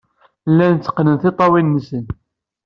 Llan tteqqnen tiṭṭawin-nsen.